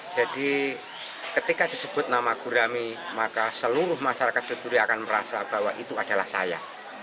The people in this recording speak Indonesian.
jadi ketika disebut nama gurami maka seluruh masyarakat senduri akan merasa bahwa itu adalah saya